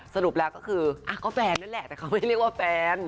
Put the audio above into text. สรุปแล้วก็คือก็แฟนนั่นแหละแต่เขาไม่เรียกว่าแฟน